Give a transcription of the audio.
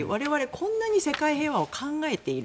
こんなに世界平和を考えている。